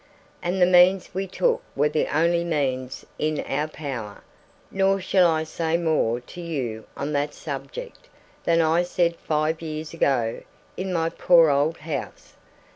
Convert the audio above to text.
And the means we took were the only means in our power; nor shall I say more to you on that subject than I said five years ago in my poor old house.